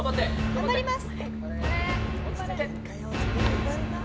頑張ります！